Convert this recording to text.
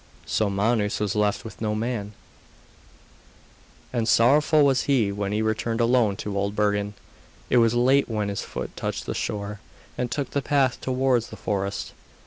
So Manus was left with no man, and sorrowful was he when he returned alone to Old Bergen. It was late when his foot touched the shore, and took the path towards the forest.